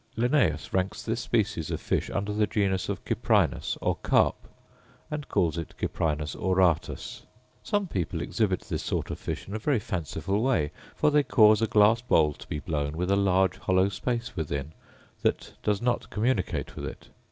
Linnaeus ranks this species of fish under the genus of cyprinus, or carp, and calls it cyprinus auratus. Some people exhibit this sort of fish in a very fanciful way; for they cause a glass bowl to be blown with a large hollow space within, that does not communicate with it.